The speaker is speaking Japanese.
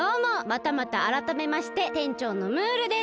またまたあらためましててんちょうのムールです！